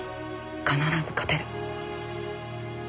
必ず勝てる。